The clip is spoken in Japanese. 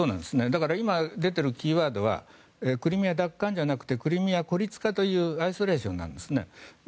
だから今出ているキーワードはクリミア奪還じゃなくてクリミア孤立化というアイソレーションなんですね。